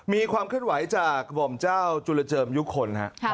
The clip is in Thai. มีความขึ้นไหวจากบ่มเจ้าจุลเจิมยุคคลนะฮะ